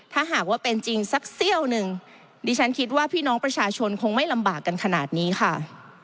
ถ้าหากว่าเป็นจริงสักเซี่ยวหนึ่งดิฉันคิดว่าพี่น้องประชาชนคงไม่ลำบากกันขนาดนี้ค่ะ